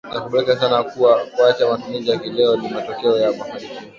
Inakubalika sana kuwa kuacha matumizi ya kileo ni matokeo ya mafanikio